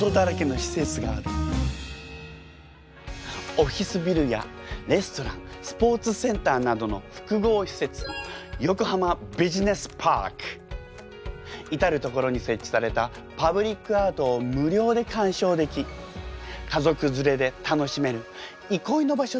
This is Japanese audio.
オフィスビルやレストランスポーツセンターなどの複合施設至る所に設置されたパブリックアートを無料で鑑賞でき家族連れで楽しめる憩いの場所となっているの。